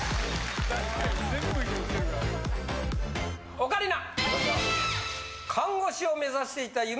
オカリナ！